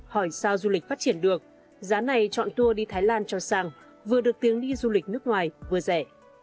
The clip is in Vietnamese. hỏi sao du lịch phát triển được giá này chọn tour đi thái lan cho sang vừa được tiếng đi du lịch nước ngoài vừa rẻ